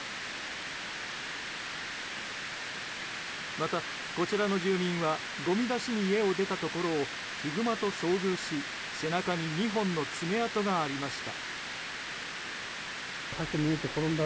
また、こちらの住民はごみ出しに家を出たところをヒグマと遭遇し背中に２本の爪痕がありました。